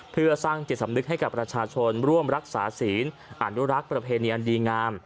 เพื่อสร้างจิตสำนึกให้กับประชาชนร่วมรักษาศีลอนุรักษ์ประเพณีอันดีงาม